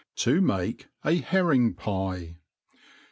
To make a Herring' Pie.